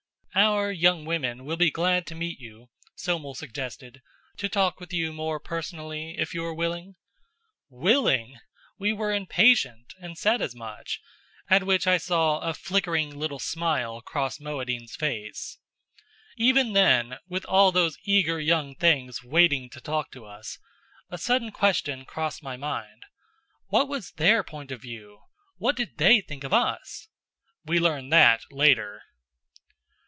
"Our young women will be glad to meet you," Somel suggested, "to talk with you more personally, if you are willing?" Willing! We were impatient and said as much, at which I saw a flickering little smile cross Moadine's face. Even then, with all those eager young things waiting to talk to us, a sudden question crossed my mind: "What was their point of view? What did they think of us?" We learned that later.